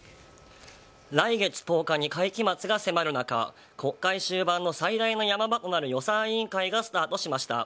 来月１０日に会期末が迫る中国会終盤の最大の山場となる予算委員会がスタートしました。